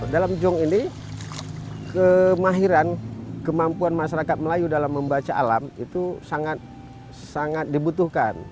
dalam jong ini kemahiran kemampuan masyarakat melayu dalam membaca alam itu sangat dibutuhkan